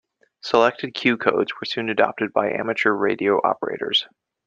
Selected Q codes were soon adopted by amateur radio operators.